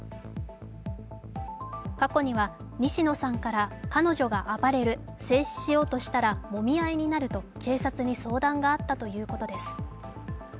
過去には西野さんから彼女が暴れる、制止しようとしたらもみ合いになると警察に相談があったということです。